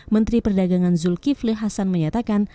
menteri perdagangan zulkifli hasan menyatakan